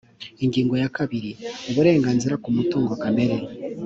ingingo ya kabiri, uburenganzira ku mutungo kamere.